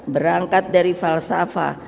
berangkat dari falsafah